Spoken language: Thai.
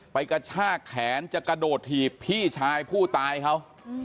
กระชากแขนจะกระโดดถีบพี่ชายผู้ตายเขา